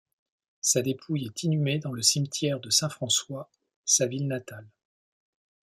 Sa dépouille est inhumée dans le cimetière de Saint-François, sa ville natale.